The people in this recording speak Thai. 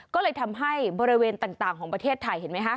ก็เลยทำให้บริเวณต่างของประเทศไทยเห็นไหมคะ